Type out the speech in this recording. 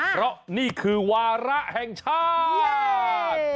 เพราะนี่คือวาระแห่งชาติ